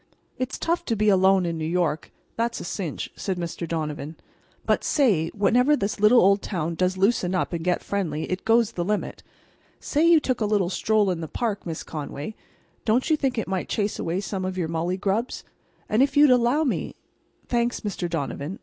"It's tough to be alone in New York—that's a cinch," said Mr. Donovan. "But, say—whenever this little old town does loosen up and get friendly it goes the limit. Say you took a little stroll in the park, Miss Conway—don't you think it might chase away some of your mullygrubs? And if you'd allow me—" "Thanks, Mr. Donovan.